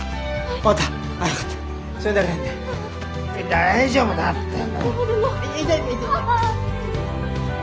大丈夫だって。